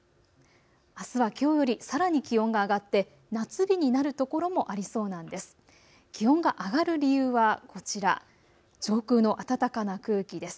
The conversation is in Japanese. あすはきょうよりさらに気温が上がって夏日になる所もありそうなんです。